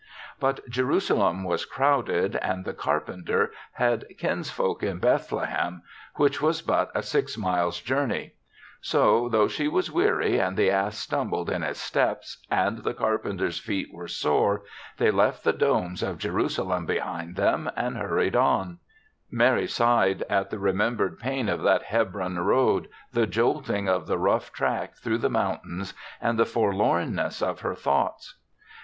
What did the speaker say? *" But Jerusalem was crowded and the carpenter had kinsfolk in Bethle hem, which was but a six miles* jour THE SEVENTH CHRISTMAS ag ney; so, though she was weary and the ass stumbled in his steps and the carpenter's feet were sore, they left the domes of Jerusalem behind them and hurried on/* Mary sighed at the remembered pain of that Hebron road, the jolting of the rough track through the mountains and the forlornness of her thoughts.